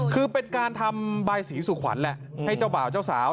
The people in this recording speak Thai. คือเป็นการทำบายสีสุขวัญแหละให้เจ้าบ่าวเจ้าสาว